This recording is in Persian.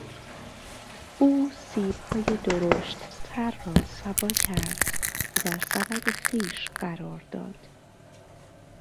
او سیبهای درشتتر را سوا کرد و در سبد خویش قرار داد.